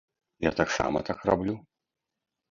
Я таксама так раблю.